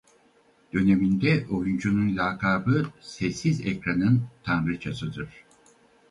Döneminde oyuncunun lakabı "Sessiz Ekranın Tanrıçası"'dır.